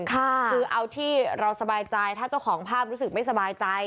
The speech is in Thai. คือเอาที่เราสบายใจถ้าเจ้าของภาพรู้สึกไม่สบายใจ